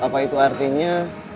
apa itu artinya